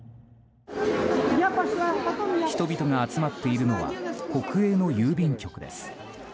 人々が集まっているのは国営の郵便局です。